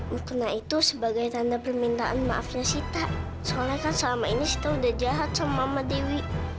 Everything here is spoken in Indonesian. mungkin itu sebagai tanda permintaan maafnya sita soalnya kan selama ini sita udah jahat sama mama dewi